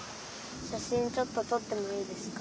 しゃしんちょっととってもいいですか。